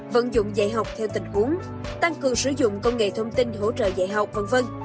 vận dụng dạy học theo tình huống tăng cường sử dụng công nghệ thông tin hỗ trợ dạy học v v